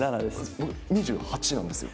僕、２８なんですよ。